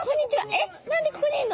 えっ何でここにいんの？